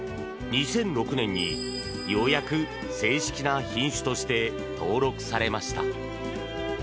２００６年にようやく正式な品種として登録されました。